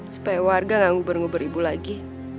supaya warga gak ngubur ngubur ibu lagi